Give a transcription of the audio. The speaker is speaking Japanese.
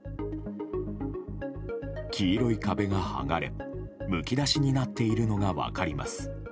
黄色い壁が剥がれむき出しになっているのが分かります。